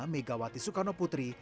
megawati soekarno putri